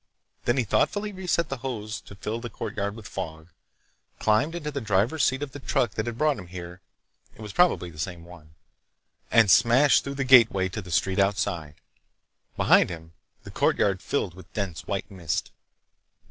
Then he thoughtfully reset the hose to fill the courtyard with fog, climbed into the driver's seat of the truck that had brought him here—it was probably the same one—and smashed through the gateway to the street outside. Behind him, the courtyard filled with dense white mist.